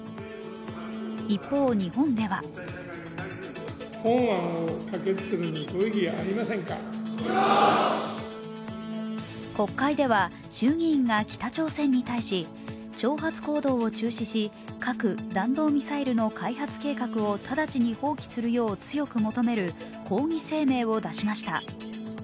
一方、日本では国会では、衆議院が北朝鮮に対し、挑発行動を中止し核・弾道ミサイルの開発計画を直ちに放棄するよう強く求める抗議声明を出しました。